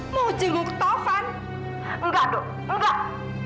mau jenguk tovan enggak dok enggak